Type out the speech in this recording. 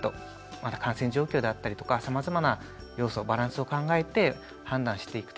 また感染状況であったりとかさまざまな要素バランスを考えて判断していくと。